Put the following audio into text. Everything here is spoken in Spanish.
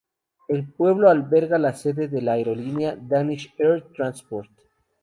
El pueblo alberga la sede de la aerolínea Danish Air Transport.